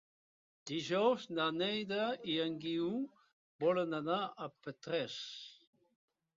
Dijous na Neida i en Guiu volen anar a Petrés.